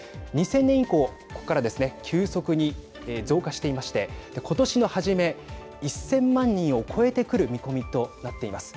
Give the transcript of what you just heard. ２０００年以降、ここからですね急速に増加していましてことしの初め、１０００万人を超えてくる見込みとなっています。